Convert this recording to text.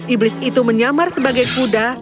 iblis itu menyamar sebagai kuda